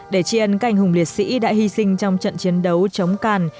để tri ân canh hùng liệt sĩ đã hy sinh trong trận chiến đấu chống càn